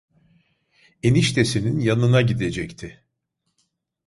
Eniştesinin yanına gidecekti…